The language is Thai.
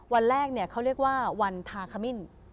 วันแรกเขาเรียกว่าวันทาขมิ้น